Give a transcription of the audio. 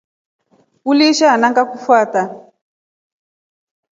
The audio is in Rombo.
Uliisha ona ngakufata.